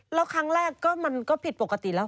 แล้วครั้งแรกก็มันก็ผิดปกติแล้ว